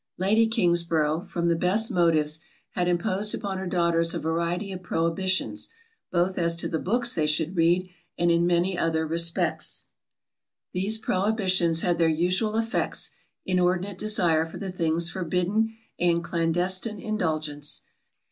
Lady Kingsborough, from the best motives, had imposed upon her daughters a variety of prohibitions, both as to the books they should read, and in many other respects. These prohibitions had their usual effects; inordinate desire for the things forbidden, and clandestine indulgence.